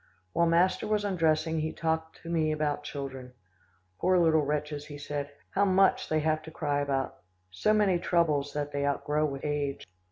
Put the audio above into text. While master was undressing, he talked to me about children. "Poor little wretches," he said. "How much they have to cry about. So many troubles that they outgrow with age."